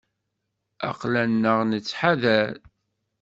Aql-aneɣ nettḥadar.